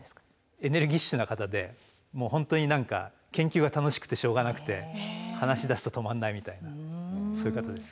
エネルギッシュな方でもう本当に何か研究が楽しくてしょうがなくて話しだすと止まんないみたいなそういう方です。